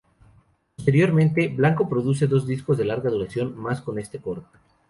Posteriormente, Blanco produce dos discos de larga duración más con este coro.